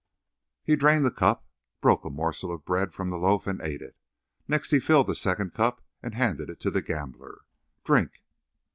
79 He drained the cup, broke a morsel of bread from the loaf and ate it. Next he filled the second cup and handed it to the gambler. "Drink."